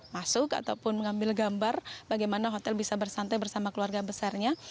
masuk ataupun mengambil gambar bagaimana hotel bisa bersantai bersama keluarga besarnya